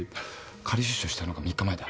仮出所したのが３日前だ。